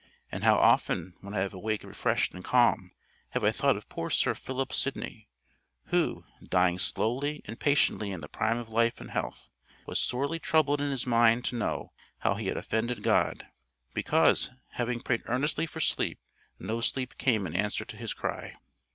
And how often when I have awaked refreshed and calm, have I thought of poor Sir Philip Sidney, who, dying slowly and patiently in the prime of life and health, was sorely troubled in his mind to know how he had offended God, because, having prayed earnestly for sleep, no sleep came in answer to his cry!